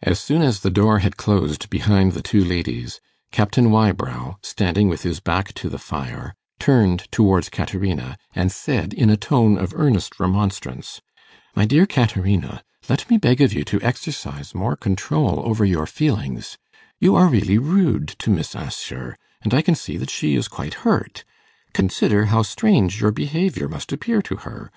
As soon as the door had closed behind the two ladies, Captain Wybrow, standing with his back to the fire, turned towards Caterina, and said in a tone of earnest remonstrance, 'My dear Caterina. Let me beg of you to exercise more control over your feelings; you are really rude to Miss Assher, and I can see that she is quite hurt. Consider how strange your behaviour must appear to her.